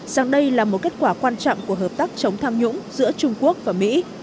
rằng đây là một kết quả quan trọng của hợp tác chống tham nhũng giữa trung quốc và mỹ